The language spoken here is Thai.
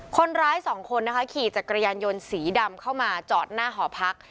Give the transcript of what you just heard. คนร้ายสองคนนะคะขี่จักรยานยนต์สีดำเข้ามาจอดหน้าหอพัก